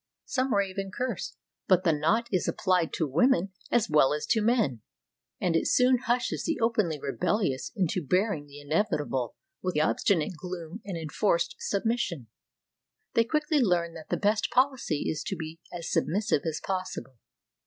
Some rave and curse, but the knout is applied to women as well as to men, and it soon hushes the openly rebellious into bear ing the inevitable with obstinate gloom and enforced submission. They quickly learn that the best policy is to be as submissive as possible.